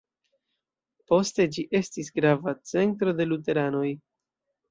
Poste ĝi estis grava centro de luteranoj.